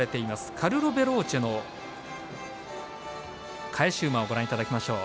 カルロヴェローチェの返し馬をご覧いただきましょう。